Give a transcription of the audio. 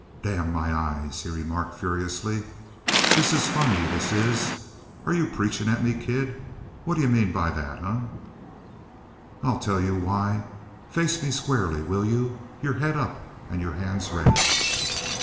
"Damn my eyes," he remarked furiously, "this is funny, this is. Are you preaching at me, kid? What d'you mean by that? Eh?" "I'll tell you why. Face me squarely, will you? Your head up, and your hands ready."